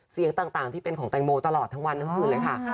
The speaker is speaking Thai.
เสียงต่างที่เป็นของแตงโมตลอดทั้งวันทั้งคืนเลยค่ะ